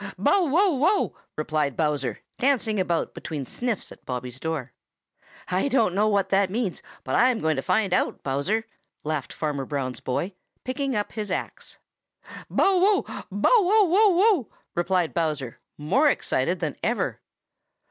"Bow, wow, wow!" replied Bowser, dancing about between sniffs at Bobby's doorway. "I don't know what that means, but I'm going to find out, Bowser," laughed Farmer Brown's boy, picking up his axe. "Bow, wow! Bow, wow, wow, wow!" replied Bowser, more excited than ever.